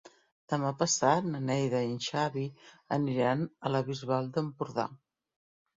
Demà passat na Neida i en Xavi aniran a la Bisbal d'Empordà.